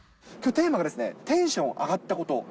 テーマが、テンション上がっ